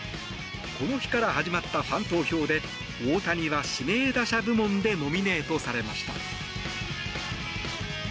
この日から始まったファン投票で大谷は指名打者部門でノミネートされました。